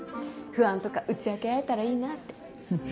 不安とか打ち明け合えたらいいなって。